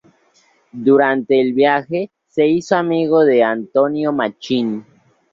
Durante el viaje, se hizo amigo de Antonio Machín.